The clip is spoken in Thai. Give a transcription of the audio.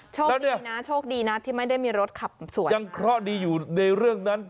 โชคดีนะโชคดีนะที่ไม่ได้มีรถขับสวนยังเคราะห์ดีอยู่ในเรื่องนั้น